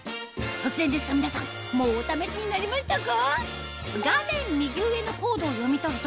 突然ですが皆さんもうお試しになりましたか？